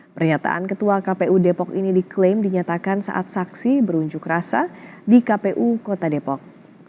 pernyataan ketua kpu depok ini diklaim dinyatakan saat saksi berunjuk rasa di kpu kota depok